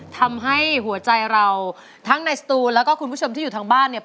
ทำให้หัวใจเราทั้งในสตูนแล้วก็คุณผู้ชมที่อยู่ทางบ้านเนี่ย